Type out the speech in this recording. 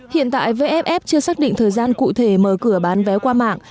hiện tại vff chưa xác định thời gian cụ thể mở cửa bán vé qua mạng